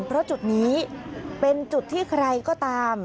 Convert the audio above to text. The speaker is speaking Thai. เพราะจุดนี้เป็นจุดที่ใครก็ตาม